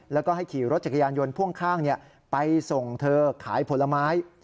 แล้วก็ให้ขี่รถจักรยานยนต์พ่วงข้างไปส่งเธอขายผลไม้